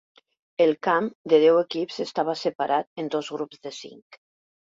El camp de deu equips estava separat en dos grups de cinc.